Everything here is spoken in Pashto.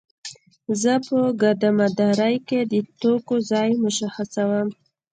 زه په ګدامدارۍ کې د توکو ځای مشخصوم.